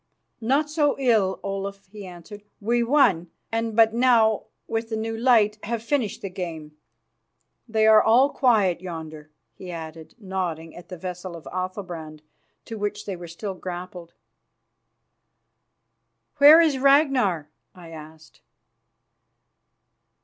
"Not so ill, Olaf," he answered. "We won, and but now, with the new light, have finished the game. They are all quiet yonder," he added, nodding at the vessel of Athalbrand, to which they were still grappled. "Where is Ragnar?" I asked.